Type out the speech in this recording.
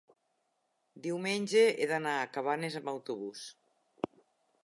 diumenge he d'anar a Cabanes amb autobús.